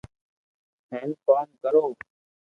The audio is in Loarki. ھين ڪوم ڪرو